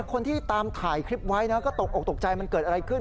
คนที่ตามถ่ายคลิปไว้นะก็ตกออกตกใจมันเกิดอะไรขึ้น